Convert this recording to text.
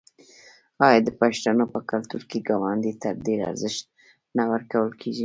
آیا د پښتنو په کلتور کې ګاونډي ته ډیر ارزښت نه ورکول کیږي؟